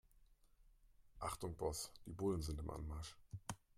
Achtung Boss, die Bullen sind im Anmarsch.